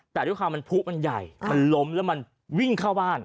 แต่ดูความที่มันพุ่มมันใหญ่มันล้มและมันวิ่งเข้าบ้าน